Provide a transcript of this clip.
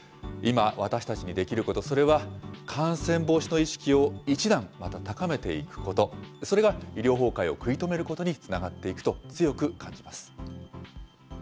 今、私たちにできること、それは、感染防止の意識を一段また高めていくこと、それが医療崩壊を食い止めることにつながっていくと、強く感じます。